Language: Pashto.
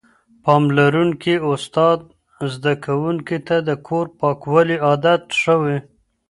پاملرونکی استاد زده کوونکو ته د کور پاکوالي عادت ښووي.